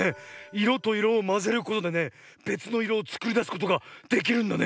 いろといろをまぜることでねべつのいろをつくりだすことができるんだね。